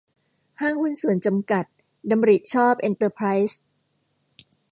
ห้างหุ้นส่วนจำกัด ดำริห์ชอบเอนเตอรไพรส์